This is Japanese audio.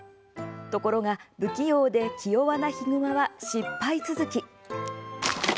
ところが不器用で気弱な悲熊は失敗続き。